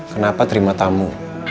kenapa terima tamu